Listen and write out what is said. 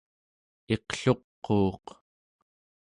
iqluquuq